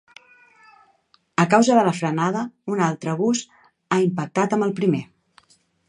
A causa de la frenada, un altre bus ha impactat amb el primer.